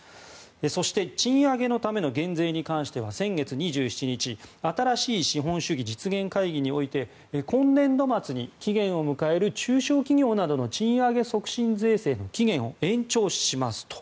そして賃上げのための減税に関しては先月２７日新しい資本主義実現会議において今年度末に期限を迎える中小企業などの賃上げ促進税制の期限を延長しますと。